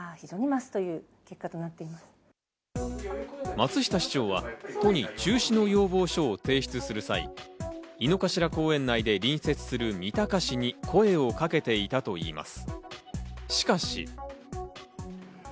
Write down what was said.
松下市長は都に中止の要望書を提出する際、井の頭公園内で隣接する三鷹市に声をかけていたといいます。